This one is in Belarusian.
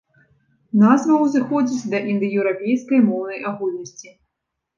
Назва ўзыходзіць да індаеўрапейскай моўнай агульнасці.